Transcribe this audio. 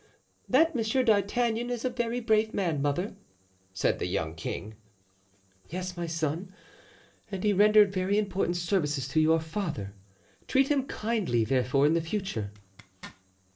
"That Monsieur d'Artagnan is a very brave man, mother," said the young king. "Yes, my son; and he rendered very important services to your father. Treat him kindly, therefore, in the future."